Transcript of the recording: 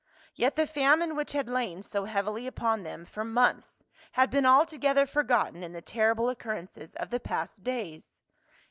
Yet the famine which had lain so heavily upon them for months had been altogether forgotten in the terri ble occurrences of the past days.